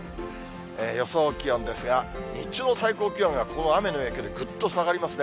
予想気温ですが、日中の最高気温がこの雨の影響でぐっと下がりますね。